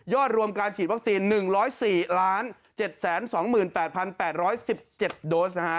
รวมการฉีดวัคซีน๑๐๔๗๒๘๘๑๗โดส